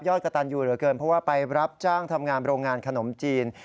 กระตันอยู่เหลือเกินเพราะว่าไปรับจ้างทำงานโรงงานขนมจีน